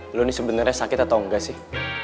lu ini sebenernya sakit atau enggak sih